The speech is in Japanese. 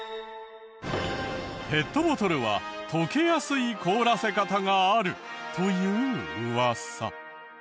ペットボトルは溶けやすい凍らせ方があるというウワサ。